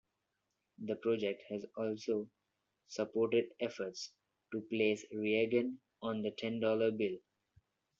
The project has also supported efforts to place Reagan on the ten-dollar bill.